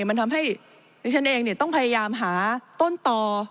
มันทำให้ดิฉันเองต้องพยายามหาต้นต่อ